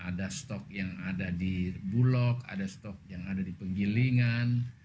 ada stok yang ada di bulog ada stok yang ada di penggilingan